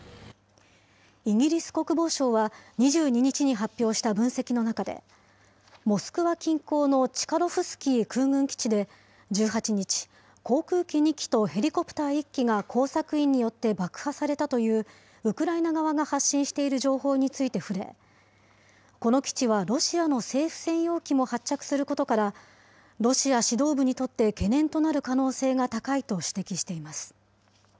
イギリス国防省は２２日に発表した分析の中で、モスクワ近郊のチカロフスキー空軍基地で１８日、航空機２機とヘリコプター１機が工作員によって爆破されたという、ウクライナ側が発信している情報について触れ、この基地は、ロシアの政府専用機も発着することから、ロシア指導部にとって懸念となる可能性が高いと指摘しています。